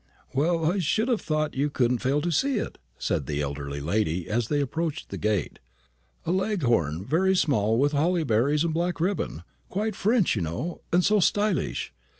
"Well, I should have thought you couldn't fail to see it," said the elder lady, as they approached the gate; "a leghorn, very small, with holly berries and black ribbon quite French, you know, and so stylish.